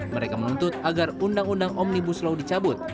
mereka menuntut agar undang undang omnibus law dicabut